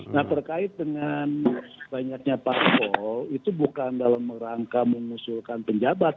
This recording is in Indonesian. nah terkait dengan banyaknya parpol itu bukan dalam rangka mengusulkan penjabat